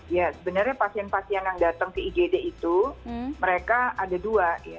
ya sebenarnya pasien pasien yang datang ke igd itu mereka ada dua ya